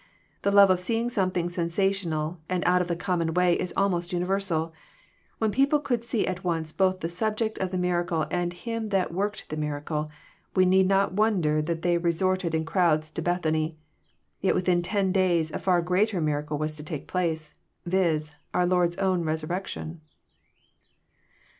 The love of seeing something sensational and out of the common way is almost universal. When people could see at once both the subject of the miracle and Him that worked the miracle, we need not wonder that they resorted in crowds to Bethany. Tet within ten days a for greater miracle was to take place, viz., our Lord's own resurection.